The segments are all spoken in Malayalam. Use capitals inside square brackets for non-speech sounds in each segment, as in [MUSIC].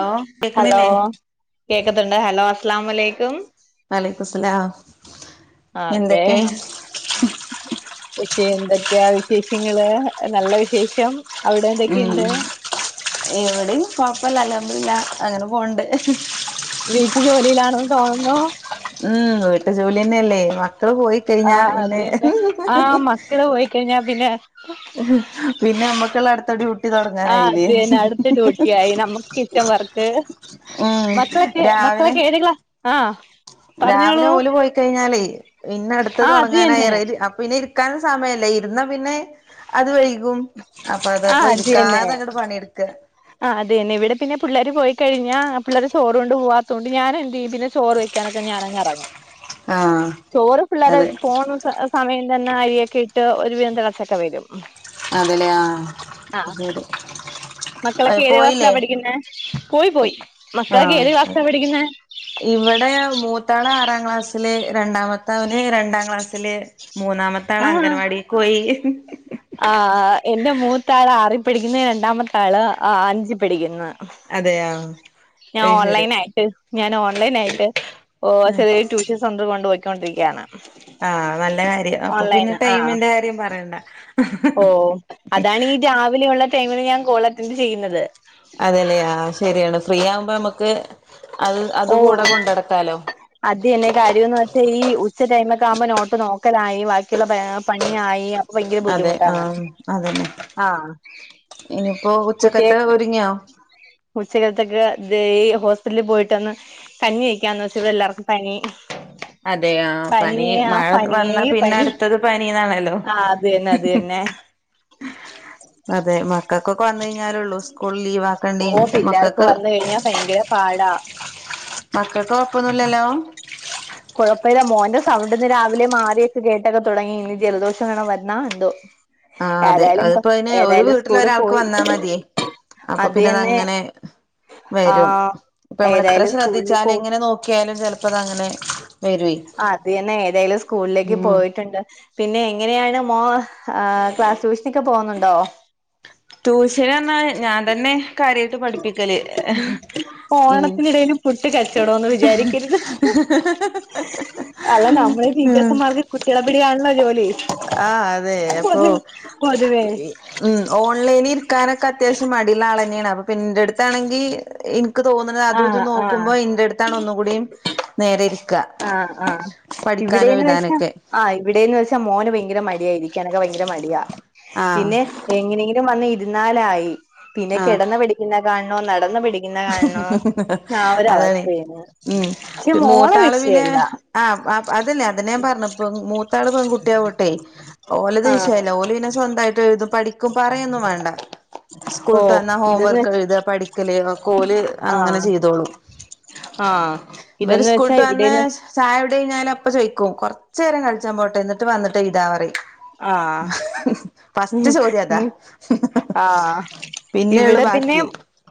ഹലോ ഹലോ കേക്കണില്ലേ കേക്കത്ത്ണ്ടാ ഹലോ അസ് ലാമലൈക്കും. വലൈക്കു സ്സലാം. ആഹ് ക്കെ. പക്ഷെ എന്തൊക്കെയാ വിശേഷങ്ങള് നല്ല വിശേഷം. അവിടെ ഉം എന്തൊക്കെയുണ്ട് ഇവിടീം കൊഴപ്പല്ല അൽഹംദുലില്ലാ അങ്ങനെ പോവ് ണ്ട്‌. വീട്ട് ജോലിയിലാണ്ന്ന് തോണുന്നു. ഉം വീട്ട് ജോല്യന്നല്ലേ മക്കള് പോയി ആ കയിഞ്ഞാ പിന്നെ. കയ്ഞ്ഞാ പിന്നെ. പിന്നെ നമ്മക്കുള്ള അടുത്ത ഡ്യൂട്ടി ആഹ് അത് തുടങ്ങാനായില്ലേ തന്നെ അടുത്ത ഡ്യൂട്ടി ആയി നമുക്ക്. ക്ക വർക്ക് ഉം മക്കളെക്കെ മക്കളെക്കേത് ക്ലാസ്സ് ആഹ്. രാവിലോല് പോയിക്കഴിഞ്ഞാലേയ് പിന്നട്ത്തഹ് ആ അത് തന്നെ തൊടങ്ങാനായിറ്യ. ഇത് അപ് പിന്നെ ഇരിക്കാനും സമയല്ല ഇരുന്നാ പിന്നെ. അത് വൈകും. ആ അപ്പതാപ്പൊ ഇര്ക്കാതങ്ങട് പണിട്ക്കാ. ആഹ് അതന്നെ ഇവിടെ പിന്നെ പിള്ളേര് പോയി കഴിഞ്ഞാ പിള്ളേര് ചോറൊണ്ട് പോവാത്തോണ്ട്‌ ഞാനെന്തീയ്യും പിന്നെ ചോറ് വെ ക്കാനൊക്കെ ഞാനങ്ങെറങ്ങും, ആഹ് ചോറ് പിള്ളേരെ അതെ പോണ സ സമയം തന്നെ അരിയൊക്കെ ഇട്ട് ഒരു വീം തെളച്ചൊക്കെ വരും. അതെല്ലേ ആഹ് ആഹ് ശെരി. മക്കളൊക്കെ ഏത് ക്ലാസ്സിലാ പഠിക്കുന്നേ? കോയി പോയി മക്കളൊക്കെ ഏത് ക്ലാസ്സിലാ പഠിക്കുന്നേ. ഇവടെ മൂത്താളാറാം ക്ലാസ്സില് രണ്ടാമത് ത്തവന് രണ്ടാം ക്ലാസ്സില്, മൂന്നാമത്താള ആഹ് അംഗൻവാടീക്കോയി. ആഹ് എന്റെ മൂത്താള് ആറിപടിക്കുന്ന് രണ്ടാമത്താള് ആഹ് അഞ്ചി പഠിക്കുന്ന്. അതെയാ. ഞാൻ ഓൺലൈൻ ആയിട്ട് ഞാൻ ഓൺലൈൻ ആയിട്ട് ഓഹ് ചെറിയ ട്യൂഷൻസെ സൊന്ത് കൊണ്ടുപോയിക്കൊണ്ടിരിക്ക്യാണ്. ആഹ് നല്ല കാര്യാ അപ്പൊ പിന്നെ ടൈമിന്റെ കാര്യം പറയണ്ട. ഓഹ് അതാണീ രാവിലെയുള്ള ടൈമിന് ഞാൻ കോൾ അറ്റന്റ് ചെയ്യുന്നത്. അതേല്ലെ ആഹ് ശെരിയാണ് ഫ്രീ ആവുമ്പോ അമ്മക്ക് അത് അത് കൂടെ കൊണ്ടടക്കാലോ. അദ്യന്നാ കാര്യോന്ന് വെച്ചാ ഈ ഉച്ച ടൈമൊക്കെ ആവുമ്പോ നോട്ട് നോക്കലായി ബാക്കിയുള്ള പണിയായി. ഭയങ്കര അതെ ബുദ്ധിമുട്ടാണ് ആഹ് ആഹ്. ഇനിപ്പോ ഉച്ചക്കത്തെ ഒരുങ്ങിയോ. ഉച്ചക്കാലത്തൊക്കെ തെ ഈ ഹോസ്പിറ്റൽ പോയിട്ടന്ന് കഞ്ഞി വെക്കാൻ നോ ഇവിടെ എല്ലാവർക്കും പനി. അതെയാ പനി പനിയേ ആ പനിയേ മഴവന്നാ പിന്നെ പനി അടുത്തത് പനീ ന്നാണല്ലോ. ആഹ് അത് തന്നെ അത് തന്നെ അതെ മക്കക്കൊക്കെ വന്നൈഞ്ഞാലൊള്ളൂ സ്കൂൾ ലീവാക്കണ്ടീം ഓ പിള്ളേർക്ക് മക്കക്ക്. വന്ന് കഴിഞ്ഞാ ഭയങ്കര പാടാ മക്കക്കൊഴപ്പൊന്നൂല്ലല്ലോ. കൊഴപ്പല്ല മോൻന്റെ സ് പ്പ അവിടെന്ന് രാവിലെ മാറിയൊക്കെ കേട്ടക്കെ തൊടങ്ങി ഇനി ജലദോഷെങ്ങാണം വര്ന്നാ എന്തോ. ആഹ് അതെ ഏതായാലും അതിപ്പോ അതിന് ഒരു ഏതായാലും വീട്ടില് സ്കൂളിൽ ഒരാൾക്ക് പോയി വന്നാ മതിയേ. അപ്പൊ അത് പിന്നെ തന്നെ തങ്ങനെ. വരും ആഹ് ഇപ്പൊ മ്മളെത്ര ഏതായാലും സ്കൂളിൽ ശ്രദ്ധിച്ചാലും പോയി എങ്ങനെ നോക്കിയാലും ചെലപ്പോ അതങ്ങനെ വരേ. അത് തന്നെ ഏതേലും സ്കൂളിലേക്ക് പോയിട്ടുണ്ട്. പിന്നെ എങ്ങനെയാണ് മോ ക്ലാസ് ട്യൂഷനൊക്കെ പോകുന്നുണ്ടോ. ട്യൂഷനറഞ്ഞാ ഞാൻ തന്നെ കാര്യാട്ട് പഠിപ്പിക്കല് ഉം. ഓണത്തിനിടയിൽ പുട്ട് കച്ചവടന്ന് വിചാരിക്കരുത്. അല്ല നമ്മള് ഉം ടീച്ചേഴ്‌സ് മാർക്ക് കുട്ടികളെ പിടിയാണല്ലോ ജോലി ആഹ് അതെ അപ്പൊ പൊതു പൊതുവേ ഉം ഓൺലൈനി ഇരിക്കാനൊക്കെ അത്യാവശ്യം മടിലാളഞ്ഞാണ് അപ്പൊ പിന്റെടുത്താണെങ്കിൽ ക്ക് തോന്നുന്നത് അത് ഇത് ആഹ് ആഹ് നോക്കുമ്പോ ഇന്റെ അടുത്താണ് ഒന്ന കൂടിയും നേരെ ഇരിക്ക ആഹ് ആഹ് പഠിക്കാനും ഇവിടെന്ന് വെച്ച എഴുതാനൊക്കെ ആഹ് ഇവിടെന്ന് വെച്ചാ മോന് ഭയങ്കര മടിയായിരിക്കനക്കെ ഭയങ്കര മടിയാ ആഹ് പിന്നെ എങ്ങനെങ്കിലും വന്ന ഇരുന്നാലായി പിന്നെ ആഹ് കിടന്ന് പിടിക്കുന്ന കാണണോ നടന്ന് പിടിക്കുന്ന കാണണോ അതാണ്ഉം പക്ഷെ മോളെ മൂത്താള് പിന്നെ വിഷയല്ല ആഹ് അതല്ലേ അതെ ഞാൻ പറഞ്ഞുപ്പ മൂത്താള് പെൺ കുട്ടിയാവട്ടെ ഓലദ് ആഹ് വിശയല്ലേ ഓല പിന്നെ സ്വന്തമായിട്ട് ഴുത പഠിക്കും പറയന്നും വേണ്ട സ്കൂളട്ട് വന്നാ ഇതെന്ന് ഹോംവർക്ക് വെച്ച എഴുത പഠിക്കല ക്കോല് അങ്ങനെ ആഹ് ചെയ്തോളു ആഹ് ഇവര് ഇതെന്ന് വെച്ചാ സ്കൂളട്ട് വന്നെ ഇവിടെന്ന് ചായവിടെ കഴിഞ്ഞാലും അപ്പ ചയ്ക്കും കൊറച്ചു നേരം കളിച്ചാ പോട്ടെ എന്നിട്ട് വന്നിട്ടേഴ്താ പറയു ആഹ് ചോദ്യം അതാ ആഹ് പിന്നെയൊള്ളു ഇവിടെ പിന്നെ ബാക്കി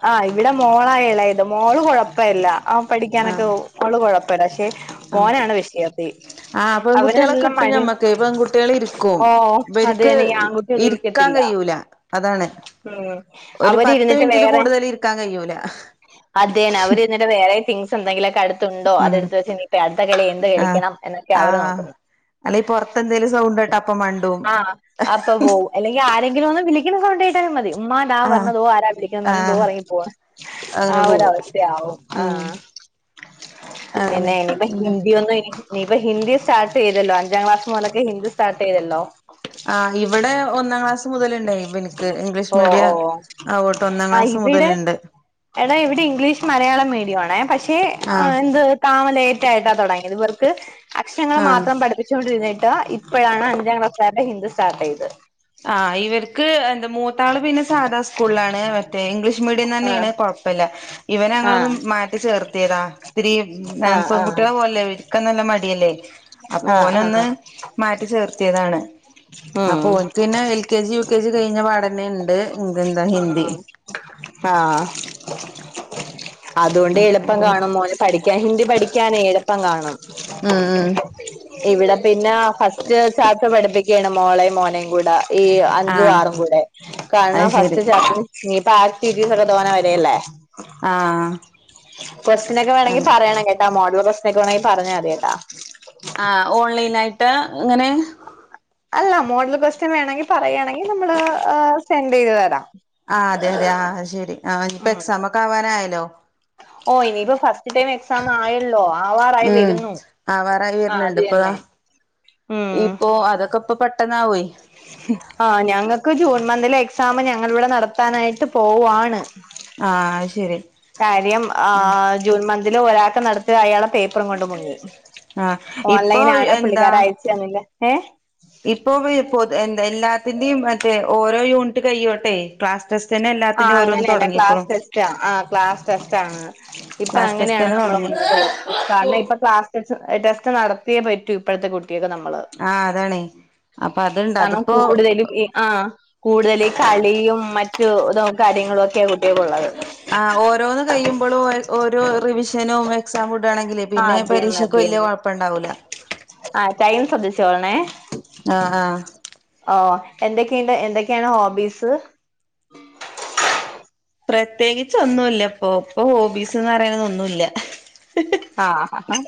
ആഹ് ഇവിടെ പിന്നെ മോളാ ഇളയത് മോള് കൊഴപ്പല്ല ആഹ് പഠിക്കാനൊക്കെ ആഹ് അവള് കുഴപ്പില്ല പക്ഷെ ആ മോനാണ് വിഷയത്തി ആഹ് പെൺകുട്ടികളെ അവരെല്ലാം കിട്ടും മടിയും ഞമ്മക്ക് പെൺകുട്ടികള് ഇരിക്കും ഓഹ് ഇവര്ക്ക് അതെന്നേ ഈ ആൺകുട്ടിയള ഇരിക്കാൻ ഇരിക്കത്തില്ല കഴിയൂല അതാണ് ഉം ഒരു പത്ത് അവരിരുന്നിട്ട് മിനിറ്റില് വേറെ കൂടുതൽ ഇരിക്കാൻ കഴിയൂല അതെ അവര് എന്നിട്ട് വേറെ തിങ്സ് എന്തങ്കിലൊക്കെ അടുത്ത് ഉണ്ടോ ഉം അതെടുത്ത് വെച്ച് നീയിപ്പ അടുത്ത കളി എന്ത് കളിക്കണം എന്നൊക്കെ അവര് നോക്കുന്നത് അല്ലെങ്ക പുറത്തെ എന്തേലും സൗണ്ടേട്ട അപ്പ മണ്ടും ആഹ് അപ്പൊ പോവും അല്ലെങ്കിൽ ആരെങ്കിലൊന്ന് വിളിക്കുന്ന സൗണ്ട് കേട്ടാലും മതി ഉമ്മാ താ ആഹ് വരുന്നു ആരാ വിളിക്കുന്നത് പറഞ്ഞ് തോ ആഹ് ഇറങ്ങിപ്പോവാ അങ്ങനെ ആഹ് പോകും ഒരവസ്ഥയാവും ഉം ആഹ് അതന്നെ പിന്നെ ഇനിപ്പ പിന്നെ ഹിന്ദി ഒന്നും ഇനി നീ ഇപ്പ ഹിന്ദി സ്റ്റാർട്ട് ചെയ്തല്ലോ അഞ്ചാം ക്ലാസ് മുതലൊക്കെ ഹിന്ദി സ്റ്റാർട്ട് ചെയ്തല്ലോ ആഹ് ഇവിടെ ഒന്നാം ക്ലാസ് മുതലുണ്ടായി ഇവൻക്ക് ഇംഗ്ലീഷ് ഓ ഓ മീഡിയം ആങ്ങോട്ട് ഒന്നാം ആ ക്ലാസ് ഇവിടെ മുതലുണ്ട് എടാ ഇവിടെ ഇംഗ്ലീഷ് മലയാളം മീഡിയം ആണേ പക്ഷേ ആഹ് എന്ത് താമ ലേറ്റ ആയിട്ടാ തുടങ്ങി ഇവർക്ക് അക്ഷരങ്ങൾ ആഹ് മാത്രം പഠിപ്പിച്ചൊണ്ടിരുന്നിട്ടാ ഇപ്പോഴാണ് അഞ്ചാം ക്ലസ്കാരുടെ ഹിന്ദി സ്റ്റാർട്ട് ചെയതത് ആഹ് ഇവർക്ക് മൂത്താള് പിന്നെ സാധാ സ്കൂളിലാണ് മറ്റേ ഇംഗ്ലീഷ് മീഡിയം ആഹ് തന്നെയാണ് കുഴപ്പമില്ല ഇവന ഞങ്ങളൊന്നും ആഹ് മാറ്റി ചേർത്തിയതാ ഒത്തിരി ആഹ് പെൺ ആഹ് കുട്ടികളെ പോലല്ല ഇവരിക്ക നല്ല മടിയല്ലേ അപ്പൊ ആഹ് ഓനൊന്ന് ആഹ് മാറ്റി ചേർത്തിയതാണ് അപ്പൊ ആഹ് ഓൻക്ക് പിന്നെ L K G U K G കഴിഞ്ഞ പാടന്നെ ഇണ്ട് എന്താ ഹിന്ദി ആഹ് അതുകൊണ്ട് അങ്ങനെ എളുപ്പം പോണു കാണും മോന് പഠിക്കാൻ ഹിന്ദി പഠിക്കാൻ എളുപ്പം കാണും ഉം ഉം ഇവിടെ പിന്നെ ഫസ്റ്റ് ചാച്ച പഠിപ്പിക്കുകയാണ് മോളേയും മോനേയും കൂടെ ഈ അഞ്ചു ആഹ് ആറും കൂടെ അത് കാരണം ശരി ഫസ്റ്റ് ചാപ്റ്റർ ഇനി പ്പം ആക്റ്റിവിറ്റി സൊഒക്കെ തോന വരല്ലേ ആഹ് ക്വസ്റ്റനോക്കെ വേണമെങ്കിൽ അതെ പറയണം കേട്ടാ മോഡൽ ക്വസ്റ്റനോക്കെ വേണമെങ്കിൽ പറഞ്ഞാൽ മതി കേട്ടാ ആഹ് ഓൺലൈൻ ആയിട്ട് ഇങ്ങനെ അല്ല മോഡൽ ക്വസ്റ്റൻ വേണമെങ്കിൽ പറയുകയാണെങ്കിൽ നമ്മള് സെൻഡ് ചെയ്ത് തരാം ആഹ് അതെ അതെ ആഹ് ശെരി ആഹ് ഇപ്പൊ എക്സാമൊക്കെ ആവാനായല്ലോ ഓഹ് ഇനിയിപ്പോ ഫസ്റ്റ് ടൈം എക്സാം ആയല്ലോ ആവാറായിയി ഉം വരുന്നു ആവാറായി ആഹ് അത് വരണിണ്ട് ഇപ്പൊതാ തന്നെ ഉം ഇപ്പൊ അതൊക്കെ ഇപ്പൊ പെട്ടന്നാവയി ആഹ് ഞങ്ങൾക്ക് ജൂൺ മന്തിലെ എക്സാം ഞങ്ങളിവിടെ നടത്താനായിട്ട് പോവാണ്. ആഹ് ശരി. കാര്യം ആ ജൂൺ മന്തില് ഒരാൾക് നടത്തി അയാള പേപ്പറും കൊണ്ട് മുങ്ങി ആഹ് ഇപ്പൊ ഓൺലൈനണ് എന്താ പുള്ളിക്കാര അയച്ചു തന്നില്ല ഏ. ഇപ്പൊ പൊതു എന്താ എല്ലാത്തിന്റെയും മറ്റേ ഓരോ യൂണിറ്റ് കഴോട്ടെ ക്ലാസ്. കൊസ് ട്യൻ എല്ല. ആഹ് അങ്ങനെന്നെ ക്ലാസ് ടെസ്റ്റ് ആ ക്ലാസ് ടെസ്റ്റ് ആണ്. ഇപ്പൊ ക്ലാസ് അങ്ങനെയാണ് ടെസ്റ്റന്നെ നമ്മള് തുടങ്ങി മുന്നോട്ട് പോകുന്നത്. കാരണം ഇപ്പൊ ക്ലാസ് ടെസ്റ്റ് ടെസ്റ്റ് നടത്തിയേ പറ്റൂ ഇപ്പോഴത്തെ കു ട്ടയക്ക് നമ്മള് ആഹ് അതാണേ അപ്പൊ അതുണ്ട് കാരണം അതിപ്പോ കൂടുതലും ഈ ആഹ്. കൂടുതൽ കളിയും മറ്റു ഇത കാര്യങ്ങളും ഒക്കെയ കുട്ട്യേ ക്ക് ഒ. ള്ളത് ആ ഓരോന്ന് കഴിയുമ്പോഴും ഓരോ റിവിഷനും എക്സാമും ഇടാണെങ്കില് ആഹ് പിന്നെ അത് തന്നെ അത് പരീക്ഷക്ക് വല്ല്യ തന്നെ കൊഴ പ്പ ണ്ടാവൂല. ആഹ് ടൈം ശ്രദ്ധിച്ചോളണെ. ആഹ് ആഹ്. ഓഹ് എന്തൊക്കെണ്ട് എന്തൊക്കെയാണ് ഹോബീസ്? പ്രത്യേകിച്ച് ഒന്നൂല്ല പ്പൊ. ഇപ്പ ഹോബീസ്ന്ന് പറയണത് ഒന്നൂല്ല. ആഹ് ഹ ഹ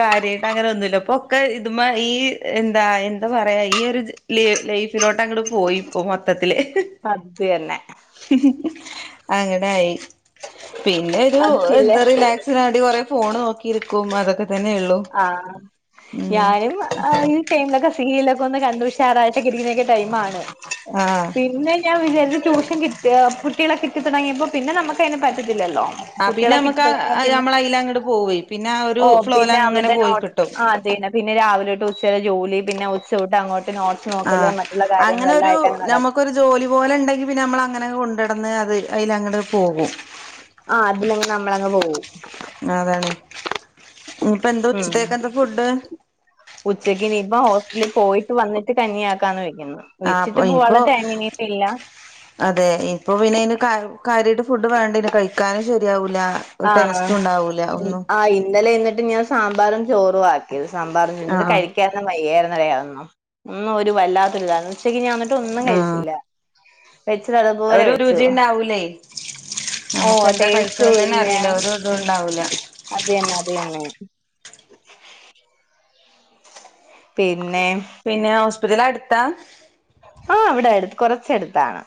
കാര്യായിട്ട് അങ്ങനെ ഒന്നുല്ല ഇപ്പൊ ക്കെ ഇതിമാ ഈ എന്താ എന്താ പറയാ ഈ ഒരു ജ ലീ ലൈഫിലോട്ടങ്ങട് പോയി ഇപ്പൊം മൊത്തത്തില്. അദ്ദ് ന്നെ. അങ്ങനായി. പിന്നെ ഒരു അതില്ലേ എന്താ റിലാ ക്സിന് വേണ്ടി കുറെ ഫോണ് നോക്കിയിരിക്കും അതൊക്കെ തന്നെ ഉള്ളു. ആഹ്. ഞാനും ഈ ടൈമിലൊക്കെ സീരിയലൊക്കെ ഒന്ന് കണ്ടു ഉഷാറായിട്ടൊക്കെ ഇരിക്കുന്നൊക്കെ ടൈമാണ്. ആഹ്. പിന്നെ ഞാൻ വിചാരിച്ചു ട്യൂഷൻ കിട്ടി കുട്ടികളെ കിട്ടി തുടങ്ങിയപ്പോ പിന്നെ നമുക്ക് അയിന് പറ്റത്തില്ലല്ലോ. ആഹ് പിന്നെ കുട്ടികളെ കിട്ടി നമുക്കാ തുടങ്ങിയാ പിന്നെ നമ്മളയിലങ്ങട് പോവ്വേ പിന്നെ ആ ഒരു ഓ ഫ്ലോ പിന്നെ അവരുടെ നോ ആഹ് അത് തന്നെ പിന്നെ രാവിലെ തൊട്ട് ഉച്ചവരെ ജോലി പിന്നെ ഉച്ച തൊട്ട് അങ്ങോ ട്ട് നോട്സ് നോക്കല് ആഹ് മറ്റുള്ള അങ്ങനെ ഒരു കാര്യങ്ങളെല്ലായിട്ടങ്ങ് നട നമുക്കൊരു ജോലി പോലെ ണ്ടെങ്കി പിന്നെ അമ്മളങ്ങനെ കൊണ്ടടന്ന് അത് അയിങ്ങട് പോകും. ആഹ് അതിലങ്ങ് നമ്മളങ് പോവും. അതാണെ. ഇനിപ്പ എന്താ ഉം ഉച്ചത്തേക്കെന്താ ഫുഡ്? ഉച്ചക്ക് ഇനിയിപ്പം ഹോസ്പിറ്റലി പോയിട്ട് വന്നിട്ട് കഞ്ഞിയാക്കാന്ന് വയ്ക്കുന്നു. ആ അപ്പൊ വെച്ചിട്ട് ഇനിപ്പോ പോവാള്ള ടൈമ് ഇനിയിപ്പയില്ല. അതെ ഇപ്പൊ പിന്നെ അയ്ന് കാ കാര്യായ്ട്ട് ഫുഡ് വേണ്ടേനും കഴിക്കാനും ശരി ആഹ്. ഒന്നും ആഹ് ഇന്നലെ എന്നിട്ട് ഞാൻ സാമ്പാറും ചോറുവാ ആക്കിയത് സാമ്പാറും ആ പിന്നിത് കഴി ക്ക്യാനൊന്നും വയ്യാര്ന്നെടേ അതൊന്നും. ഇന്നും ഒരു വല്ലാത്തൊരിതാ. ഇന്നുച്ചയ്ക്ക് ഞാൻ എന്നിട്ടൊന്നും ആ കഴിച്ചില്ല. വെച്ചത് അതുപോലെ ഒരു വെച്ചു രുചിണ്ടാവൂലേ. ഓ ഞമ്മക്ക് എന്താ ടേസ്റ്റും കഴിക്ക്ണേന്നെന്നെ ഇല്ല അറീല്ല ഒരു തും ണ്ടാവൂല. അത് തന്നെ അത് തന്നെ. പിന്നെ. പിന്നെ ഹോസ്പിറ്റൽ അടുത്താ? ആഹ് ഇവിടെ അട് കൊർച്ചെടുത്താണ്.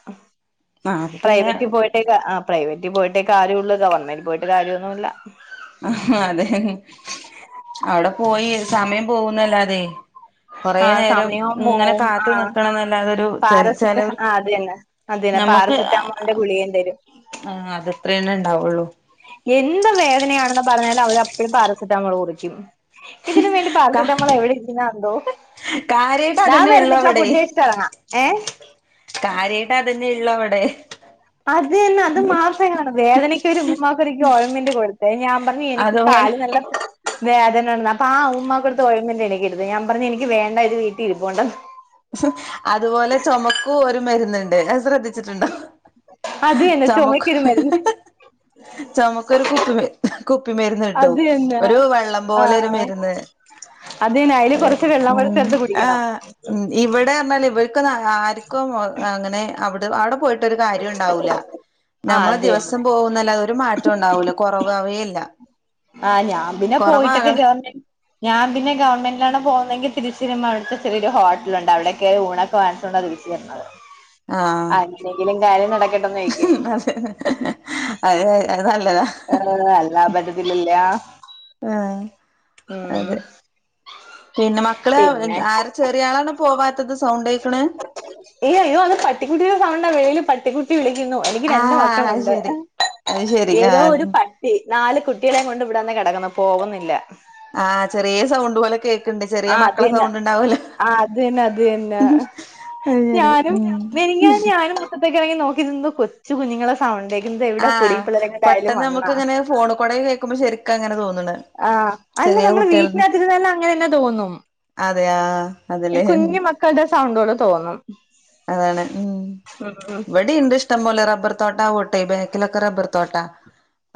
ആ അപ്പൊ പിന്നെ പ്രൈവറ്റ് പോയി [UNINTELLIGIBLE] ആഹ് പ്രൈവറ്റിൽ പോയിട്ടേ കാര്യ ഒള്ളൂ ഗവൺമെന്റി പോയിട്ട് കാര്യ ഒന്നൂല്ല. അഹ് അതെ. അവിടെ പോയി സമയം പോവുംന്നല്ലാതെ. കൊറെ ആഹ് നേരം സമയവും ഇങ്ങനെ പോവും കാത്തു ആഹ് നിക്കണം എന്നല്ലാതൊരു ചൽ പാരസെറ്റ് ആ ചെലവർക്ക്. അത് തന്നെ അത് തന്നെ പാരസെറ്റാമോളിന്റെ ഗുളികേം തരും. ആഹ് അതെത്രേന്നെ ഇണ്ടാവൊള്ളൂ. എന്ത് വേദനയാണെന്ന് പറഞ്ഞാലും അവരപ്പഴും പാരസെറ്റാമോൾ കുറിക്കും. ഇതിലും വേണ്ടി ക പാരസെറ്റാമോൾ എവിടെ ഇരിക്കുന്നാ എന്തോ. കാര്യായിട്ട് ന്നാ അതന്നെ ഉള്ളു വരുന്നിട്ടാ അവിടെ ഫുഡ് കഴിച്ചിട്ട് എറങ്ങാ ഏഹ് കാര്യായിട്ട് അതന്നെ ഇള്ളു വടെ. അത് തന്നെ അത് മാത്രേ കാണൂ. വേദനക്കൊരു ഉമ്മുമ്മാക്കൊരിക്കെ ഓയ്മെൻ്റ് കൊടുത്തേ ഞാൻ പറഞ്ഞു എനിക്ക് അതുപോലെ കാല് നല്ല വേ അതെന്നേണ്. അപാ ഉമ്മാക്കൊടുത്ത് ഒഴിമെന്റ് എനിക്കിരുത്. ഞാൻ പറഞ്ഞു ഇനിക്ക് വേണ്ട ഒരു വീട്ടീ ഇരിപ്പുണ്ട്. അതുപോലെ ചൊമക്കും ഒരു മരുന്ന്ണ്ട്. ശ്രദ്ധിച്ചിട്ടുണ്ടൊ അത് തന്നെ ചൊമക്ക് ചുമക്കൊരു മരുന്ന് ചൊമക്കൊരു കുപ്പി കുപ്പിമര്ന്ന് കിട്ടും. അത് തന്നെ ഒരു വെള്ളം പോലെ ഒരു മരുന്ന്. അതിന്ന് ഐല് കൊറച്ച് വെള്ളം കുടി ഉം ചേർത്ത് കുടിക്കണം. ആഹ് ഉം ഇവടെ പറ്ഞ്ഞാൽ ഇവർക്കൊന്നു ആർക്കും അങ്ങനെ അവിടെ അവിടെ പോയിട്ട്. ഒരു കാര്യം ഉണ്ടാവൂല്ല. ആഹ് നമ്മളെ അത് ദിവസം തന്നെ പോകുന്നല്ലാതെ ഒരു മാറ്റം ഉണ്ടാവൂല. കൊറവവേ ഇല്ല ആഹ് ഞാൻ പിന്നെ പോയിട്ടൊക്കെ കേ [UNINTELLIGIBLE] ന്ന ഞാൻ പിന്നെ ഗവൺമെന്റിലാണ് പോകുതെങ്കിൽ തിരിച്ചിരുമ്മ അവിട്ത്തെ ചെറിയരു ഹോട്ടല്ണ്ട്. അവിടെക്കെ ഊണക്കെ വാണം. കൊണ്ട വീട്ടി വന്ന്. ഉ [INAUDIBLE] ആ എന്തെങ്കിലും കാര്യം നട- അതെ അതെ അത് നല്ലതാ. ഏഹ് അല്ലാ പറ്റത്തിലില്ല. ആഹ്. അതെ പിന്നെ മക്കള പിന്നെ ആര ചെറിയ ആളാണ് പോവാത്തത് സൗണ്ടേക്ക്ണ്. ഈയോ ഇയ്യോ അന്ന് പട്ടിക്കുട്ടിയുടെ സണ്ട്‌ വെളിയിൽ പട്ടിക്കുട്ടി വിളിക്കുന്നു എനി രണ്ട് ആഹ് അത് മക്കളുണ്ട് ശരി അത് ശരി ഏതോ ഒരു ആഹ് നാല് കുട്ടികളെ കൊണ്ട് ഇവിടന്നെ കെടക്കുന്നു. പോകുന്നില്ല. ആഹ് ചെറ്യേ സൗണ്ട് പോലെ കേക്ക്ണ്ട്. ചെറ്യേ മക്കളെ സൗണ്ട് ഇണ്ടാവൊല്ലൊ. ആ അത് തന്നെ. അത് തന്നെ. അത് ശരി ഞാനും ഉം നെരിങ്ങാ ഞാനും. അപ്പക്കി നോക്കി നിന്നു കുച്ച് ച്ചു കുഞ്ഞുങ്ങളെ സൗണ്ടേക്കുന്നത്. എവിടെ കുടി ആഹ് പിള്ളേരെങ്ങായാലും പെട്ടെന്ന് വന്ന നമുക്ക് ഇങ്ങനെ ഫോണ് കൂടെ കേൾക്കുമ്പോ ശരിക്കും അങ്ങനെ തോന്നണ് ആഹ് അല്ല ചെറിയ നമ്മള് കുട്ടികള് വീട്ടിനകത്തിരുന്നല്ല അങ്ങനെന്നെ തോന്നും. അതെ ആഹ് അതലെ. ക്കളുടെ സൗണ്ടോടെ തോന്നും. അതാണ് ഉം ഉം ഉം ഇവിടീണ്ട് ഇഷ് ഇഷ്ടംപോലെ റബ്ബർ തോട്ട വോട്ടെ ബേക്കിലൊക്കെ റബ്ബർ തോട്ട.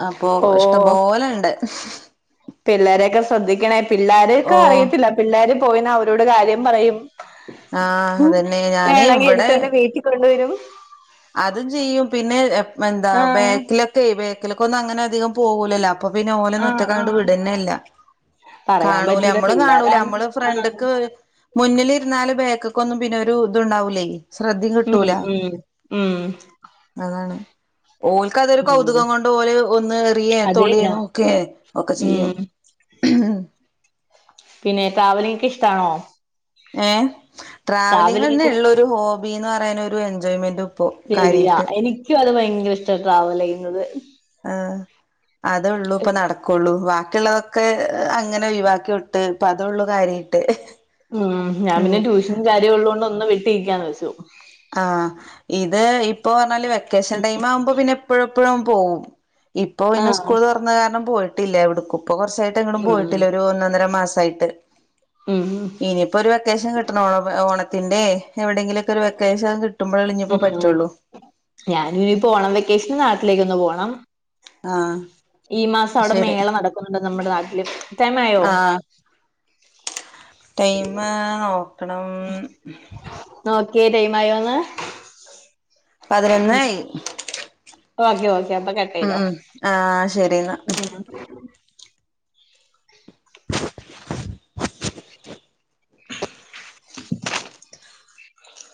അപ്പോ ഇഷ്ടം പോലെ ഇണ്ട്. [INAUDIBLE] പിള്ളേരൊക്കെ ശ്രദ്ധിക്കണെ. ഓ പിള്ളോരൊക്കെ അറിയത്തില. പിള്ളേര് പോയി അവരോട് കാര്യം പറയും. ആഹ് അതന്നെ ഞാന് വേണെങ്കി ഇവിടെ എടുത്ത [UNINTELLIGIBLE] വീട്ടി കൊണ്ടുവരും. അതും ചെയ്യും. പിന്നെ എന്താ ആഹ് ബേക്കിലൊക്കെ ബേക്കിലക്കെ ഒന്നും അങ്ങനെ അധികം പോകൂലല്ലോ. അപ്പൊ പിന്നെ ഓലന്നും ആഹ് ഒറ്റക്കങ്ങട്ട് ആഹ് വിടന്നല്ല. പറയാൻ കാണൂല പറ്റൂല നമ്മള്. കാണൂല പിള്ളേരാണ് നമ്മള് ആഹ് ഫ്രണ്ട്ക്ക്. മുന്നിലിര്ന്നാല് ബേക്ക്ക്കൊന്നും പിന്നെ ഒരു ഇതുണ്ടാവൂലെ. ഉം ഉം ഉം അതാണ് ഓൽ ക്ക അതൊരു ഉം കൗതുകം കൊണ്ട് ഓല് ഒന്ന് എറിയ അത് തൊടെ ന്നാ നോക്കെഹ് ഒക്കെ ചെയ്യും. ഉം പിന്നെ ട്രാവലിങ്ങ്ക്ക് ഇഷ്ടാണൊ. ഏഹ് ട്രാവലിംഗെന്നെ ട്രാവലിംഗൊക്കെ ഇള്ള ഒരു ഹോബിന്ന് പറയാനൊരു എൻജോയ്മെന്റും. ഇപ്പോ ശരിയാ. കാര്യായിട്ട് എനിക്ക്യു അത് ഭയങ്കര ഇഷ്ട ട്രാവല് ചെയ്യുന്നത്. ഏഹ്. അതൊള്ളു ഇപ്പൊ നടക്കൊള്ളു വാക്കിയുള്ളതൊ ക്ക് അങ്ങനെ ഒഴിവാക്കി വിട്ട് ഇപ്പം അതൊള്ളു കാര്യായിട്ട്. ഉം ഞാൻ ഉം പിന്നെ ട്യൂഷനും കാര്യം ഉള്ളോണ്ട് ഒന്ന് വിട്ടിരിക്കാന്ന് വെച്ചു. ആഹ് ഇത് ഇപ്പൊ പറഞ്ഞാല് വെക്കേഷൻ ടൈം ആവുമ്പോ പിന്നെ എപ്പഴെപ്പഴും പോകും ഇപ്പോ പിന്നെ ആഹ് സ്കൂൾ തുറഞ്ഞ കാരണം പോയിട്ടില്ല എവിട്ക്കും ഇപ്പൊ കൊറച്ചായിട്ട് എങ്ങട്ടും ഉം പോയിട്ടില്ല ഒരു ഒന്നര മാസായിട്ട് ഉം ഉം ഇനിയിപ്പോ ഒരു വെക്കേഷൻ കിട്ടണ ഓ ഓണത്തിന്റെ എവിടെയെങ്കിലൊക്കെ ഒരു വെക്കേഷൻ കിട്ട- ഉം ഞാനു ഇപ്പഓണം വെക്കേഷൻ നാട്ടിലേക്കൊന്ന് പോണം ആഹ് ഈ മാസ അവിടെ ശരി മേള നടക്കുന്നുണ്ട് നമ്മുടെ നാട്ടില് ടൈം ആയോ ആഹ് ടൈം നോക്കണം നോക്കിയോ ടൈം ആയോന്ന് പതിനൊന്നായി ഓക്കെ ഒക്കെ അപ്പോ കട്ടി- ഉം ഉം ആ ശരി ന്നാ ഉം